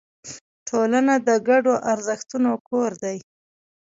ټولنه د ګډو ارزښتونو کور دی.